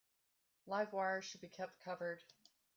Live wires should be kept covered.